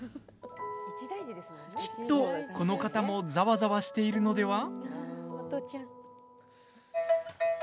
きっと、この方もざわざわしているのでは？